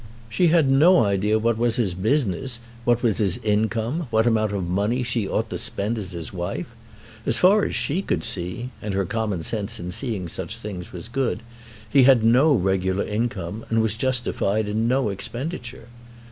She had no idea what was his business, what was his income, what amount of money she ought to spend as his wife. As far as she could see, and her common sense in seeing such things was good, he had no regular income, and was justified in no expenditure.